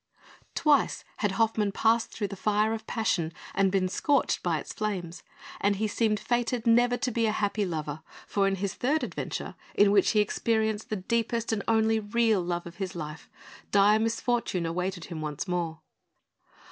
Twice had Hoffmann passed through the fire of passion and been scorched by its flames; and he seemed fated never to be a happy lover, for in his third adventure in which he experienced the deepest and only real love of his life dire misfortune awaited him once more.